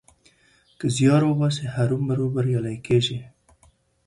که زيار وباسې؛ هرو مرو بريالی کېږې.